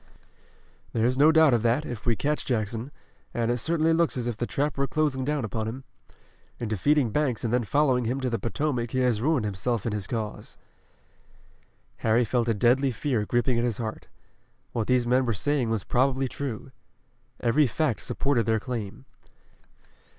"There's no doubt of that, if we catch Jackson, and it certainly looks as if the trap were closing down upon him. In defeating Banks and then following him to the Potomac he has ruined himself and his cause." Harry felt a deadly fear gripping at his heart. What these men were saying was probably true. Every fact supported their claim.